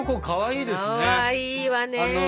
かわいいわね。